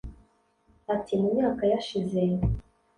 Ati “Mu myaka yashize